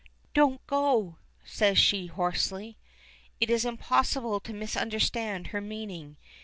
"Don't go," says she, hoarsely. It is impossible to misunderstand her meaning.